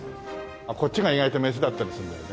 こっちが意外とメスだったりするんだよね。